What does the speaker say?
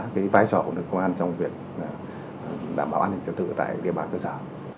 cái vai trò của lực công an trong việc đảm bảo an ninh trật tự tại địa bàn cơ sở